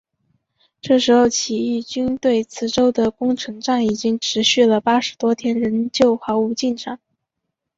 这时候起义军对梓州的攻城战已经持续了八十多天仍旧毫无进展。